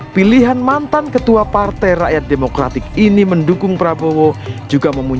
pilihan mantan ketua partai budiman sujatmiko menjadi cerita tersendiri menjelang pemilihan presiden dua ribu dua puluh empat mendatang